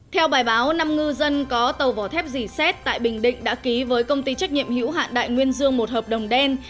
theo bài báo năm ngư dân có tàu vỏ thép dì xét tại bình định đã ký với công ty trách nhiệm hữu hạn đại nguyên dương một hợp đồng đen